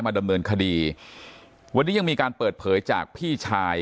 ดำเนินคดีวันนี้ยังมีการเปิดเผยจากพี่ชาย